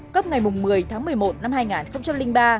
cấp ngày một mươi tháng một mươi một năm hai nghìn ba